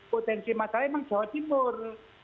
potensi masalahnya memang jawa timur